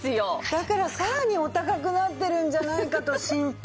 だからさらにお高くなってるんじゃないかと心配。